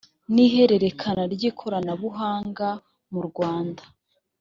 n ihererekana ry ikoranabuhanga murwanda